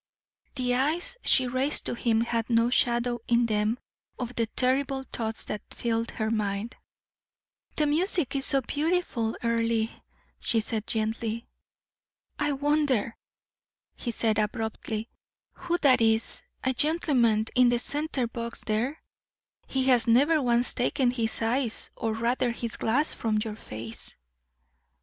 The eyes she raised to him had no shadow in them of the terrible thoughts that filled her mind. "The music is so beautiful, Earle," she said, gently. "I wonder," he said, abruptly, "who that is a gentleman in the center box there? He has never once taken his eyes, or rather his glass, from your face."